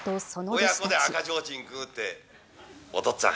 親子で赤ちょうちんくぐって、おとっつぁん。